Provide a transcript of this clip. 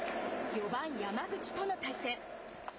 ４番山口との対戦。